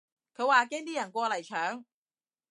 佢話驚啲人過嚟搶